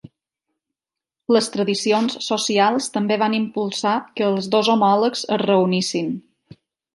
Les tradicions socials també van impulsar que els dos homòlegs es reunissin.